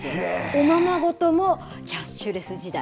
おままごともキャッシュレス時代。